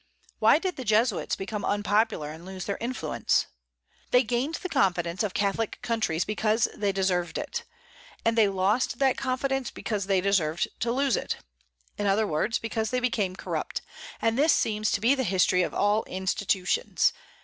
Why did the Jesuits become unpopular and lose their influence? They gained the confidence of Catholic countries because they deserved it, and they lost that confidence because they deserved to lose it, in other words, because they became corrupt; and this seems to be the history of all institutions.